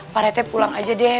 pak rete pulang aja deh